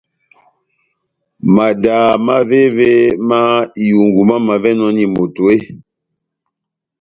Madaha mávévémá ihungu mamavɛnɔni moto eeeh ?